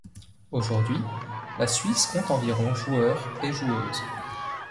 Aujourd'hui, la Suisse compte environ joueurs et joueuses.